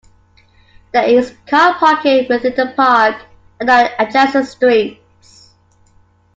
There is car parking within the park and on adjacent streets.